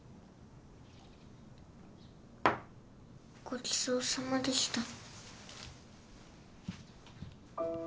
ごちそうさまでした。